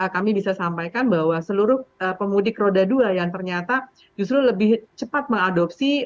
kami bisa sampaikan bahwa seluruh pemudik roda dua yang ternyata justru lebih cepat mengadopsi